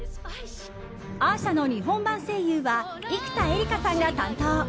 アーシャの日本版声優は生田絵梨花さんが担当。